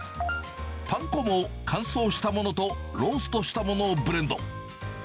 パン粉も乾燥したものとローストしたものをブレンド。